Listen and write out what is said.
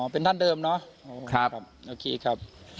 อ๋อเป็นท่านเดิมเนาะครับโอเคครับ